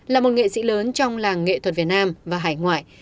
là một nghệ sĩ lớn trong làng nghệ thuật việt nam và hải ngoại